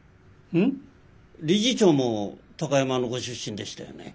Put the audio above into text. ん？理事長も高山のご出身でしたよね。